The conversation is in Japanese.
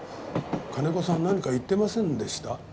金子さん何か言ってませんでした？